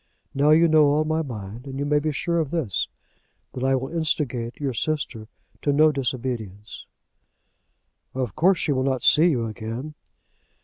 Now you know all my mind, and you may be sure of this, that I will instigate your sister to no disobedience." "Of course she will not see you again."